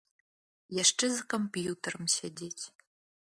Яшчэ за камп'ютарам сядзець.